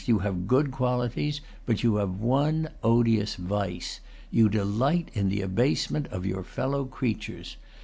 You have good qualities. But you have one odious vice. You delight in the abasement of your fellow creatures.